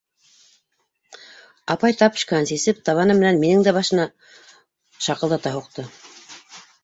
Апай тапочкаһын сисеп, табаны менән минең дә башына шаҡылдата һуҡты.